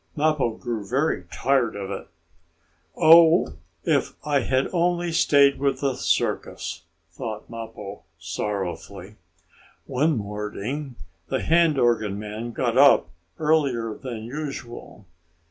Mappo grew very tired of it. "Oh, if I had only stayed with the circus," thought Mappo, sorrowfully. One morning the hand organ man got up earlier than usual.